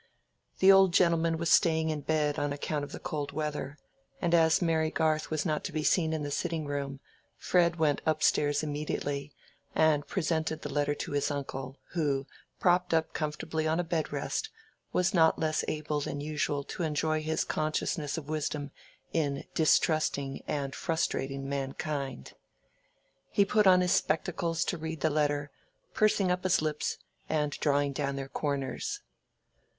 The old gentleman was staying in bed on account of the cold weather, and as Mary Garth was not to be seen in the sitting room, Fred went up stairs immediately and presented the letter to his uncle, who, propped up comfortably on a bed rest, was not less able than usual to enjoy his consciousness of wisdom in distrusting and frustrating mankind. He put on his spectacles to read the letter, pursing up his lips and drawing down their corners.